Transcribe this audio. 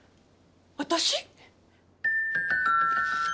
私？